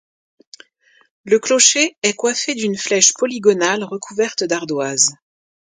Le clocher est coiffé d'une flèche polygonale recouverte d'ardoise.